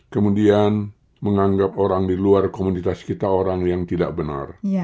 kemudian menganggap orang di luar komunitas kita orang yang tidak benar